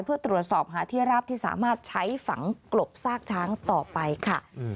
เพื่อตรวจสอบหาที่ราบที่สามารถใช้ฝังกลบซากช้างต่อไปค่ะ